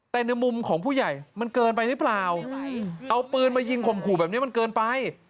แต่ในมุมของผู้ใหญ่มันเกินไปหรือเปล่าเอาปืนมายิงข่มขู่แบบนี้มันเกินไป